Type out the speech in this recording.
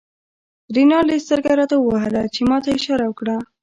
رینالډي سترګه راته ووهله چې ما ته یې اشاره وکړه.